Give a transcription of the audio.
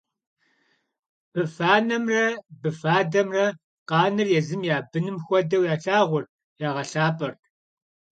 Быфанэмрэ быфадэмрэ къаныр езым я быным хуэдэу ялъагъурт, ягъэлъапӏэрт.